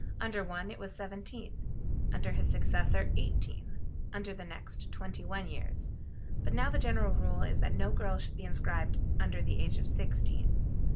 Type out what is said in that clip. Under one it was seventeen, under his successor eighteen, under the next twenty one years; but now the general rule is that no girl should be inscribed under the age of sixteen.